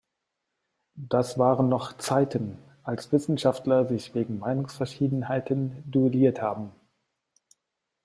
Das waren noch Zeiten, als Wissenschaftler sich wegen Meinungsverschiedenheiten duelliert haben!